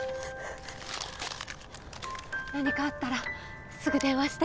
何かあったらすぐ電話して